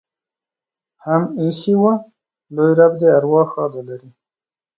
هم ایښي وه. لوى رب دې ارواح ښاده لري.